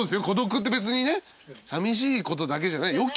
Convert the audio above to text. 孤独って別にねさみしいことだけじゃない。